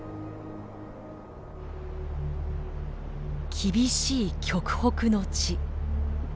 厳しい極北の地。